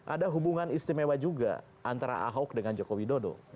ada hubungan istimewa juga antara ahok dengan jokowi dodo